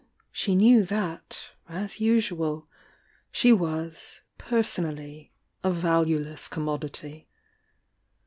She knew that, as usual, she was, personally, a valueless commodity.